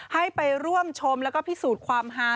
ให้ไปร่วมชมแล้วก็พิสูจน์ความฮา